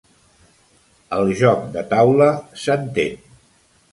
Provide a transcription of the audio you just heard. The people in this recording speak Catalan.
El joc de taula, s'entén.